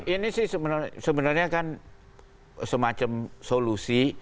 ini sih sebenarnya kan semacam solusi